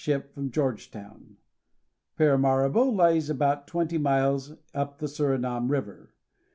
349 ship from Georgetown. Paramaribo lies about twenty miles up the Surinam river.